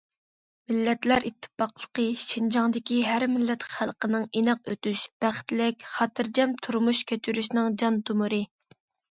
مىللەتلەر ئىتتىپاقلىقى شىنجاڭدىكى ھەر مىللەت خەلقنىڭ ئىناق ئۆتۈش، بەختلىك، خاتىرجەم تۇرمۇش كەچۈرۈشىنىڭ جان تومۇرى.